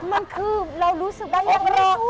มันคือเรารู้สึกได้ยังไม่ชั่ว